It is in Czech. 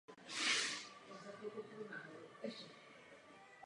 V sedmi letech mu umřel otec.